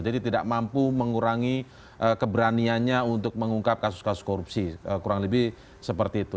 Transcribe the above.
jadi tidak mampu mengurangi keberaniannya untuk mengungkap kasus kasus korupsi kurang lebih seperti itu